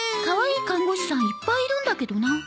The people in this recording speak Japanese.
かわいい看護師さんいっぱいいるんだけどな。